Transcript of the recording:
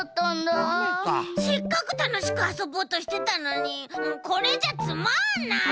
せっかくたのしくあそぼうとしてたのにもうこれじゃつまんない！